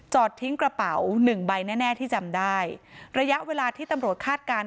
ทิ้งกระเป๋าหนึ่งใบแน่แน่ที่จำได้ระยะเวลาที่ตำรวจคาดการณ